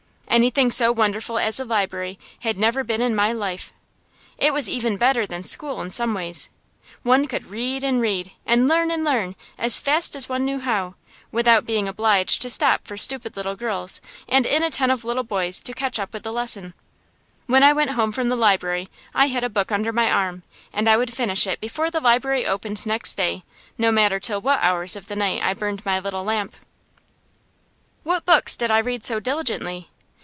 Anything so wonderful as a library had never been in my life. It was even better than school in some ways. One could read and read, and learn and learn, as fast as one knew how, without being obliged to stop for stupid little girls and inattentive little boys to catch up with the lesson. When I went home from the library I had a book under my arm; and I would finish it before the library opened next day, no matter till what hours of the night I burned my little lamp. What books did I read so diligently?